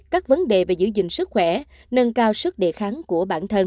các vấn đề về giữ gìn sức khỏe nâng cao sức đề kháng của bản thân